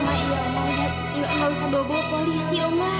nggak usah bobo polisi oma